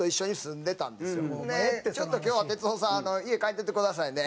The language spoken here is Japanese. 「ちょっと今日は哲夫さん家帰らんといてくださいね」って。